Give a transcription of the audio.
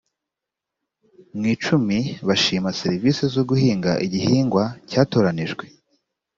mu icumi bashima serivisi zo guhinga igihingwa cyatoranijwe,